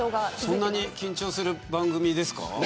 そんなに緊張する番組ですか。